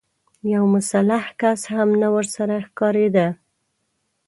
يو مسلح کس هم نه ورسره ښکارېده.